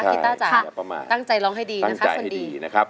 กิตต้าจะตั้งใจร้องให้ดีนะครับส่วนดี